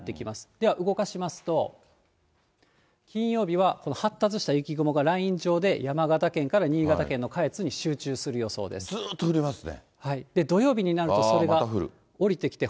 では動かしますと、金曜日は発達した雪雲がライン状で山形県から新潟県の下越に集中ずっと降りますね。